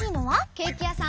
ケーキやさん！